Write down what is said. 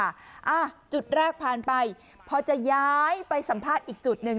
อ่าจุดแรกผ่านไปพอจะย้ายไปสัมภาษณ์อีกจุดหนึ่ง